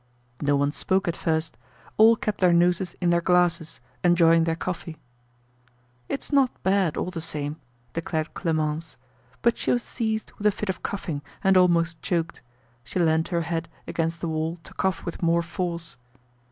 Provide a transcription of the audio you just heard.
No one spoke at first; all kept their noses in their glasses, enjoying their coffee. "It's not bad, all the same," declared Clemence. But she was seized with a fit of coughing, and almost choked. She leant her head against the wall to cough with more force.